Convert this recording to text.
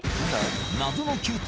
謎の球体